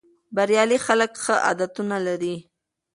بریالي خلک ښه عادتونه لري.